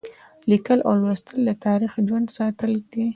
لیکل او لوستل د تاریخ ژوندي ساتل دي.